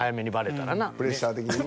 プレッシャー的にね。